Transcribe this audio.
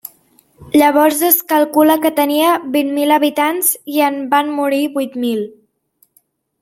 Llavors es calcula que tenia vint mil habitants i en van morir vuit mil.